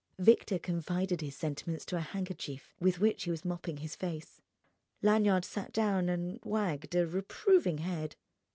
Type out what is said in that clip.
'" Victor confided his sentiments to a handkerchief with which he was mopping his face. Lanyard sat down and wagged a reproving head.